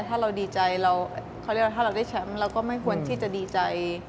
ถ้าเราดีใจถ้าเราได้แชมป์เราก็ไม่ควรที่จะดีใจ